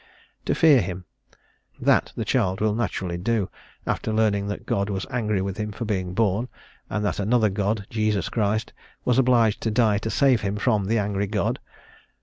"To fear him:" that the child will naturally do, after learning that God was angry with him for being born, and that another God, Jesus Christ, was obliged to die to save him from the angry God.